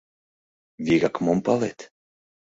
— Вигак мом палет?